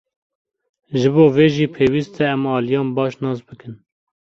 Ji bo vê jî pêwîst e em aliyan baş nas bikin.